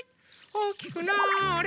おおきくなあれ。